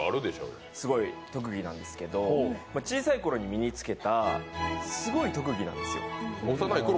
すごい特技なんですけど小さいころに身につけたすごい特技なんですよ。